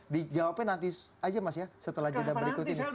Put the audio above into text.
dijawabkan nanti saja mas ya setelah agenda berikut ini